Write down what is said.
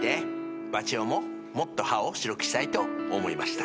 男ももっと歯を白くしたいと思いました。